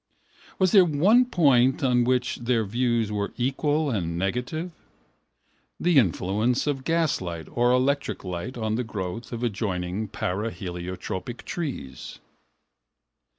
Was there one point on which their views were equal and negative? The influence of gaslight or electric light on the growth of adjoining paraheliotropic trees.